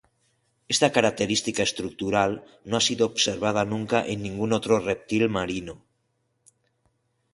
Esta característica estructural no ha sido observada nunca en ningún otro reptil marino.